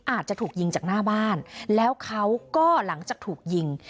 อาจจะถูกยิงจากหน้าบ้านแล้วเขาก็หลังจากถูกยิง